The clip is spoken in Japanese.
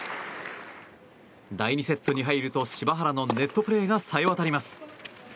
第２セットに入ると柴原のネットプレーがさえわたります。